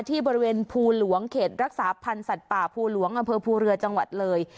ที่บริเวณภูหลวงเขตรักษาพันธ์สัตว์ป่าภูหลวงอำเภอภูเรือจังหวัดเลย